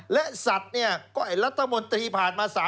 และสัตว์เนี่ยก็ไอ้รัฐมนตรีผ่านมา